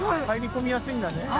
入り込みやすいんだね。